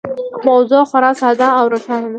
موضوع خورا ساده او روښانه ده.